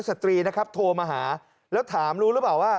สตรีนะครับโทรมาหาแล้วถามรู้หรือเปล่าว่า